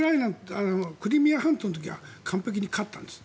クリミア半島の時は完璧に勝ったんです。